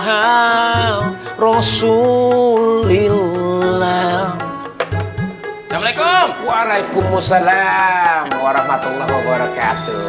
assalamu'alaikum warahmatullahi wabarakatuh